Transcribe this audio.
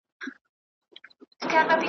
موږ له آدمزاده څخه شل میدانه وړي دي .